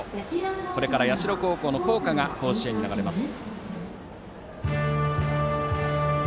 これから社の校歌が甲子園に流れます。